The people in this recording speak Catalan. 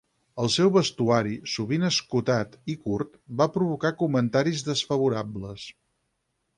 El seu vestuari, sovint escotat i curt, va provocar comentaris desfavorables.